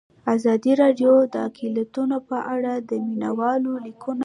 ازادي راډیو د اقلیتونه په اړه د مینه والو لیکونه لوستي.